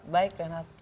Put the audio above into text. baik enak selamat malam